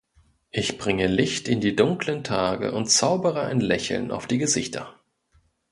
Ich bringe Licht in die dunklen Tage und zaubere ein Lächeln auf die Gesichter.